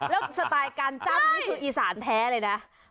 แล้วสไตล์การจ้ำนี่คืออีสานแท้เลยนะ